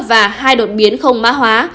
và hai đột biến không má hóa